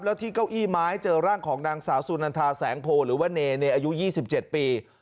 แล้วที่เก้าอี้ไม้เจอร่างของนางสาวสุนันทาแสงโพหรือว่าเนเนอายุ๒๗ปี